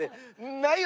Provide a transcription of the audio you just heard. ないよね？